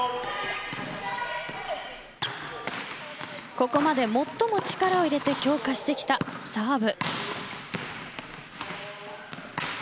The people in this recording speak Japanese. ここまで最も力を入れて強化してきたサーブ。